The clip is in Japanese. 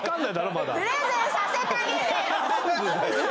まだプレゼンさせたげてよ！